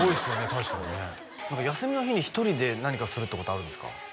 確かにね休みの日に１人で何かするってことはあるんですか？